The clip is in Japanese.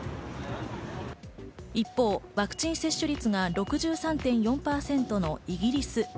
一方、ワクチン接種率が６３．４％のイギリス。